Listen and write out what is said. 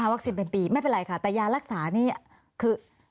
เป็นปีไม่เป็นไรค่ะแต่ยารักษานี่คือ